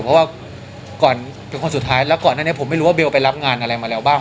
เพราะว่าก่อนเป็นคนสุดท้ายแล้วก่อนหน้านี้ผมไม่รู้ว่าเบลไปรับงานอะไรมาแล้วบ้าง